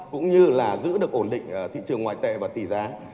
cũng như là giữ được ổn định thị trường ngoại tệ và tỷ giá